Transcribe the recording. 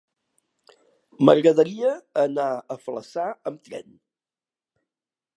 M'agradaria anar a Flaçà amb tren.